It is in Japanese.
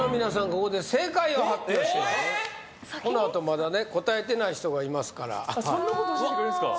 このあとまだね答えてない人がいますからそんなこと教えてくれるんですか？